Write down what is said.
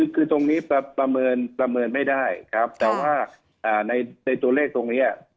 คือตรงนี้ประเมินไม่ได้ครับแต่ว่าในตัวเลขตรงนี้